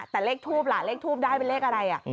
แต่เลขทูบล่ะเลขทูบได้เป็นเลขอะไร